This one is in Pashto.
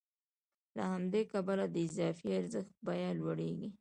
له همدې کبله د اضافي ارزښت بیه لوړېږي